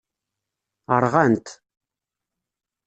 Rɣant.